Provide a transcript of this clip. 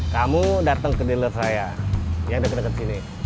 kamu dateng ke dealer saya yang deket deket sini